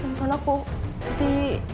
handphone aku di